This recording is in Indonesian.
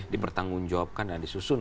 dipertanggung jawabkan dan disusun